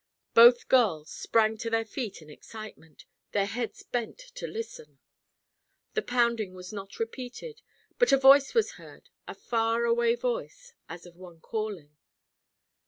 Both girls sprang to their feet in excitement, their heads bent to listen. The pounding was not repeated but a voice was heard—a far away voice—as of one calling.